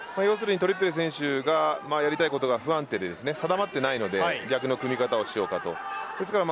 トリッペル選手はやりたいことが不安定で定まっていないので逆の組み方をしようとしています。